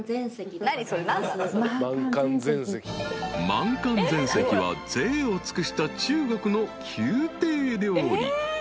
［満漢全席はぜいを尽くした中国の宮廷料理］